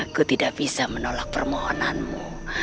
aku tidak bisa menolak permohonanmu